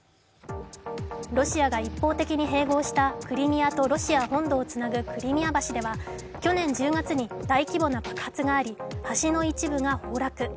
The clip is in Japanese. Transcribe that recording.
ロシアが一方的に併合したクリミアとロシア本土をつなぐクリミア橋では去年１０月に大規模な爆発があり橋の一部が崩落。